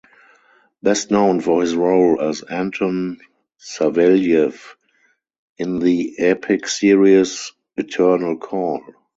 Best known for his role as Anton Savelyev in the epic series Eternal Call.